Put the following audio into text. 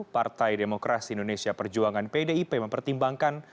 partai demokrasi indonesia perjuangan pdip mempertimbangkan